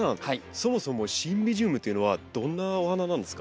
そもそもシンビジウムというのはどんなお花なんですか？